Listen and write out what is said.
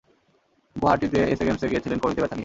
গুয়াহাটিতে SA গেমসে গিয়েছিলেন কনুইতে ব্যথা নিয়ে।